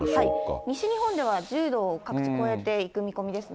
西日本では１０度を各地超えていく見込みですね。